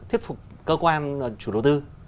thuyết phục cơ quan chủ đầu tư